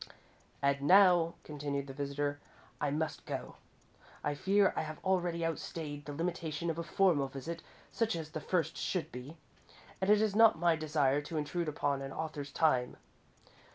"And now," continued the visitor, "I must go. I fear I have already outstayed the limitation of a formal visit, such as the first should be, and it is not my desire to intrude upon an author's time.